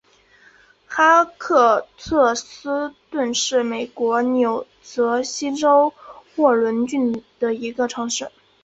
哈克特斯敦是美国纽泽西州沃伦郡的一个城市。